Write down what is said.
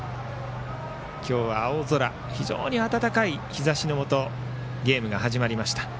今日は青空非常に暖かい日ざしのもとゲームが始まりました。